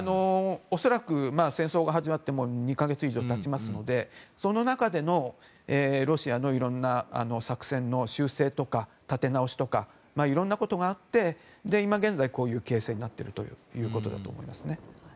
恐らく戦争が始まってもう２か月以上経ちますのでその中でのロシアのいろんな作戦の修正とか立て直しとかいろんなことがあって今現在、こういう形勢になっているということだと思いますね。